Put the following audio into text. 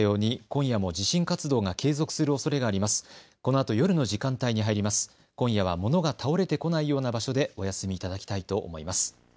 今夜は物が倒れてこないような場所でお休みいただきたいと思います。